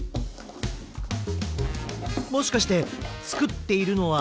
もしかしてつくっているのは。